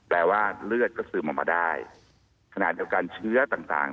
แปลว่าเลือดก็ซึมออกมาได้ขณะสำหรับการเชื้อต่าง